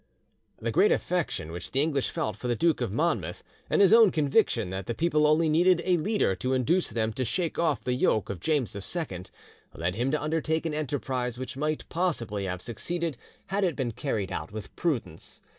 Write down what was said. The great affection which the English felt for the Duke of Monmouth, and his own conviction that the people only needed a leader to induce them to shake off the yoke of James II, led him to undertake an enterprise which might possibly have succeeded had it been carried out with prudence.